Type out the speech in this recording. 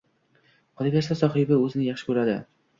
Qolaversa, Sohiba o`zini yaxshi ko`radi